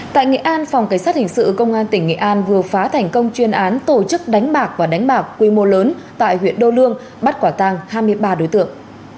tại nghệ an phòng cảnh sát hình sự công an tỉnh nghệ an vừa phá thành công chuyên án tổ chức đánh bạc và đánh bạc quy mô lớn tại huyện đô lương bắt quả tàng hai mươi ba đối tượng